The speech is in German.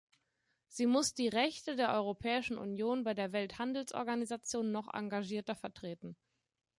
Sie muss die Rechte der Europäischen Union bei der Welthandelsorganisation noch engagierter vertreten.